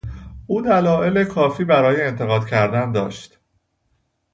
او دلائل کافی برای انتقاد کردن داشت.